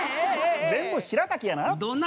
全部しらたきやな。